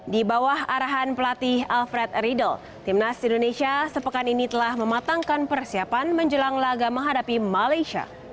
di bawah arahan pelatih alfred riedel timnas indonesia sepekan ini telah mematangkan persiapan menjelang laga menghadapi malaysia